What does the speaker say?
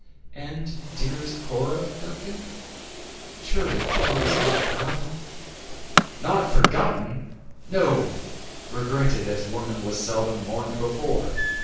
"And, dearest Cora, Duncan; surely Cora was not forgotten?" "Not forgotten! no; regretted, as woman was seldom mourned before.